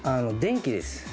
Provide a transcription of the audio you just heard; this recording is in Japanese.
電気です。